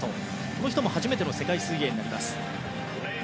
この人も初めての世界水泳です。